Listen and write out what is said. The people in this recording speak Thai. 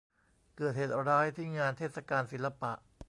เกิดเหตุร้ายที่งานเทศกาลศิลปะ